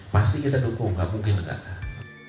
pasti kita dukung gak mungkin negara